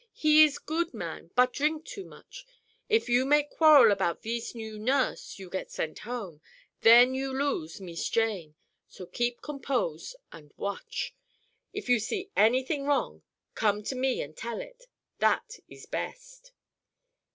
He ees good man, but drink too much. If you make quarrel about thees new nurse, you get sent home. Then you lose Mees Jane. So keep compose, an' watch. If you see anything wrong, come to me an' tell it. That ees best."